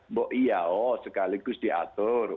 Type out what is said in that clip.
mbok iya oh sekaligus diatur